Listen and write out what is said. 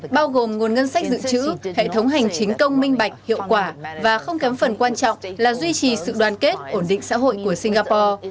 bao gồm nguồn ngân sách dự trữ hệ thống hành chính công minh bạch hiệu quả và không kém phần quan trọng là duy trì sự đoàn kết ổn định xã hội của singapore